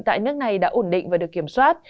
tại nước này đã ổn định và được kiểm soát